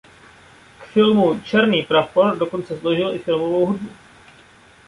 K filmu "Černý prapor" dokonce složil i filmovou hudbu.